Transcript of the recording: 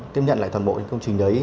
tiếp nhận lại toàn bộ công trình đấy